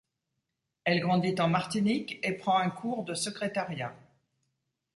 Elle grandit en Martinique et prend un cours de secrétariat.